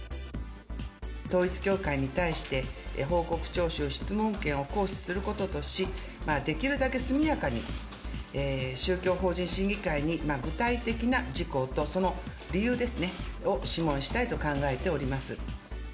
統一教会に対して、報告徴収・質問権を行使することとし、できるだけ速やかに宗教法人審議会に具体的な事項と、その理由ですね、を諮問したいと考えております。